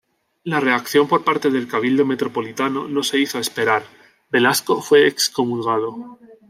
La reacción por parte del cabildo metropolitano no se hizo esperar, Velasco fue excomulgado.